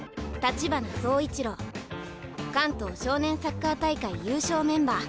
関東少年サッカー大会優勝メンバー。